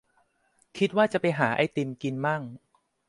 คิดว่าจะไปหาไอติมกินมั่ง